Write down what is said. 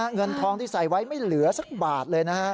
เงินทองที่ใส่ไว้ไม่เหลือสักบาทเลยนะฮะ